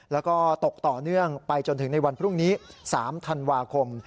แล้วก็ตกต่อเนื่องไปจนถึงในวันพรุ่งนี้๓ธันวาคม